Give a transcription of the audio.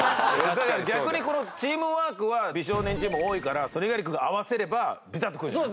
だから逆にチームワークは美少年チーム多いから猪狩君が合わせればビタッとくるじゃん。